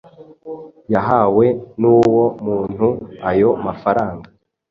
yahawe n’uwo muntu ayo mafaranga